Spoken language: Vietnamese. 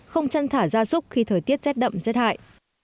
không chăn thả ra súc khi thời tiết rét đậm rét hại